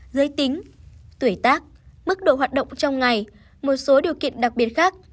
giới tính tuổi tác mức độ hoạt động trong ngày một số điều kiện đặc biệt khác